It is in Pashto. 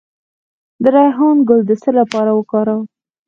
د ریحان ګل د څه لپاره وکاروم؟